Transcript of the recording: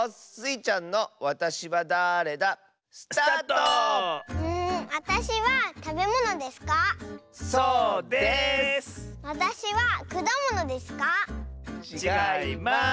ちがいます！